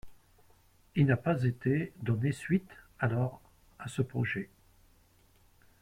Il n'a pas été donné suite alors à ce projet.